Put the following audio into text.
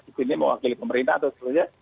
di sini mewakili pemerintah atau seluruhnya